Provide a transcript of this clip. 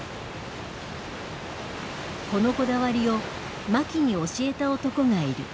このこだわりを槇に教えた男がいる。